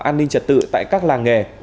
an ninh trật tự tại các làng nghề